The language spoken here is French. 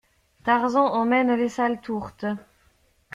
Tarzan emmène les sales tourtes.